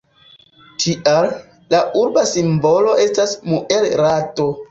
Tial, la urba simbolo estas muel-rado.